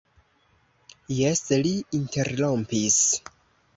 Jes, li interrompis.